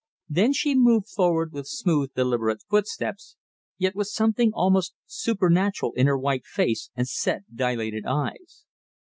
Then she moved forward with smooth, deliberate footsteps, yet with something almost supernatural in her white face and set, dilated eyes.